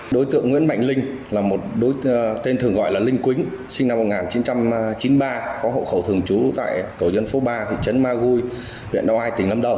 đối tượng nguyễn mạnh linh là một đối tượng tên thường gọi là linh quính sinh năm một nghìn chín trăm chín mươi ba có hậu khẩu thường trú tại cầu dân phố ba thị trấn ma gui huyện đào ai tỉnh lâm đồng